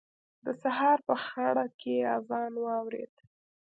د سهار په خړه کې يې اذان واورېد.